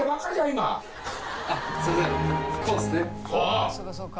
そうかそうか。